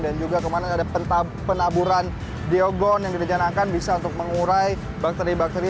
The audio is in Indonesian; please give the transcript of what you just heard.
dan juga kemarin ada penaburan diogon yang dinyatakan bisa untuk mengurai bakteri bakteri